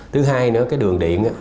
thứ hai nữa cái đường điện